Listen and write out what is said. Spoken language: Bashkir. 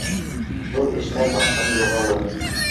Был эштә башың юғалыр